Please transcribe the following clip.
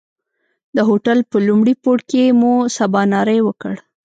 د هوټل په لومړي پوړ کې مو سباناری وکړ.